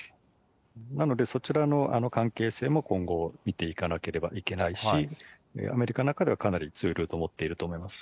なので、そちらの関係性も今後、見ていかなければいけないし、アメリカの中ではかなり強く持っていると思います。